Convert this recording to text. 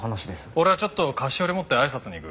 俺はちょっと菓子折り持ってあいさつに行く。